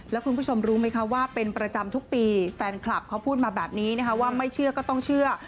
แล้วคุณผู้ชมรู้ไหมคะว่าเป็นประจำทุกปีแฟนคลับเขาพูดมาแบบนี้นะคะว่าไม่เชื่อก็ต้องเชื่อ